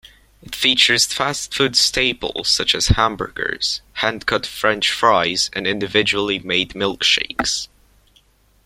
It features fast-food staples such as hamburgers, hand-cut French fries, and individually made milkshakes.